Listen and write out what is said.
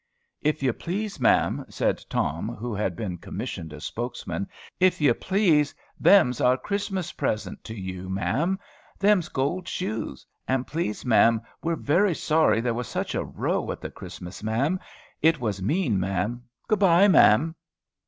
"If you please, ma'am," said Tom, who had been commissioned as spokesman, "if you please, them's our Christmas present to you, ma'am. Them's gold shoes. And please, ma'am, we're very sorry there was such a row at the Christmas, ma'am. It was mean, ma'am. Good by, ma'am."